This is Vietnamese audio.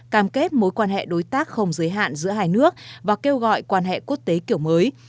cam kết mối quan hệ đối tác không giới hạn giữa hai nước và kêu gọi quan hệ quốc tế kiểu mới